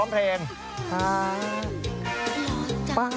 พร้อมเพลง